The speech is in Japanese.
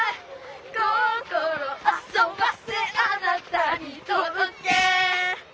「心遊ばせあなたにとどけ」